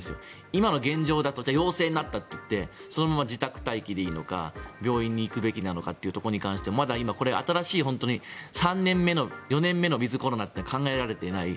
今の現状だと陽性になったといってそのまま自宅待機でいいのか病院に行くべきなのかというところに関して新しい、３年目、４面目のウィズコロナが考えられていない。